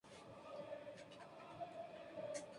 Espacio dedicado al debate de actualidad.